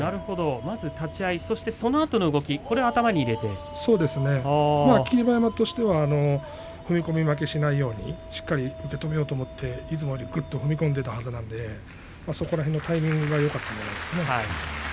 まずは立ち合いそしてそのあとの動きを霧馬山としては踏み込み負けしないようにしっかり受け止めようと思っていつもよりぐっと踏み込んでいたはずなのでその辺りのタイミングがよかったんじゃないですかね。